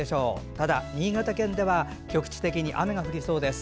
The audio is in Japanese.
ただ、新潟県では局地的に雨が降りそうです。